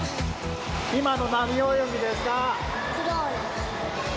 今の何泳ぎですか？